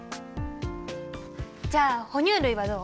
じゃあ哺乳類はどう？